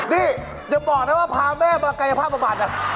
นี่อย่าบอกนะว่าพาแม่มากัยภาพประมาณนั้น